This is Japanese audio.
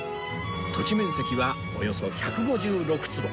土地面積はおよそ１５６坪